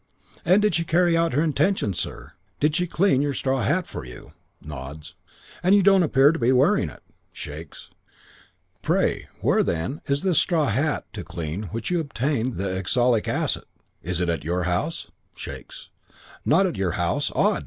"'And did she carry out her intention, sir? Did she clean your straw hat for you?' "Nods. "'You don't appear to be wearing it?' "Shakes. "'Pray, where, then, is this straw hat to clean which you obtained the oxalic acid? Is it at your house?' "Shakes. "'Not at your house! Odd.